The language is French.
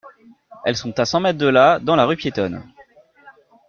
Elles sont à cent mètres de là, dans la rue piétonne.